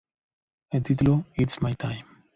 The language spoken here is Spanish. El título, "It's My Time".